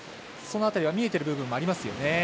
その辺りは見えている部分もありますよね。